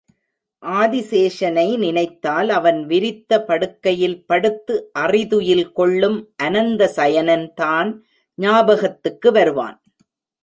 ஆதிசேஷனை நினைத்தால் அவன் விரித்த படுக்கையில் படுத்து அறிதுயில் கொள்ளும் அனந்த சயனன் தான் ஞாபகத்துக்கு வருவான்.